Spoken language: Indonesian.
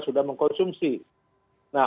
sudah mengkonsumsi nah